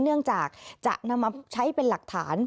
เนื่องจากจะนำมาใช้เป็นหลักฐาน